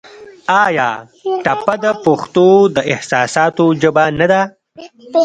آیا ټپه د پښتو د احساساتو ژبه نه ده؟